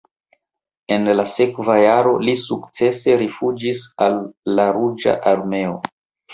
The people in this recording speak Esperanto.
En la sekva jaro li sukcese rifuĝis al la Ruĝa Armeo.